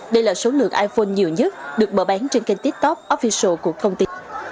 đây là số lượng iphone nhiều nhất được mở bán trên kênh tiktok official của công ty